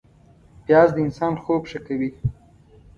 پیاز د انسان خوب ښه کوي